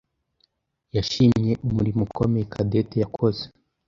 yashimye umurimo ukomeye Cadette yakoze.